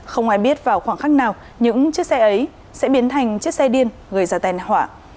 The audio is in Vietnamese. không ai biết vào khoảng khắc nào những chiếc xe ấy sẽ biến thành chiếc xe điên gây ra tai nạn hỏa